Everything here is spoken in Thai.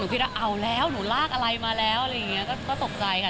คิดว่าเอาแล้วหนูลากอะไรมาแล้วอะไรอย่างนี้ก็ตกใจค่ะ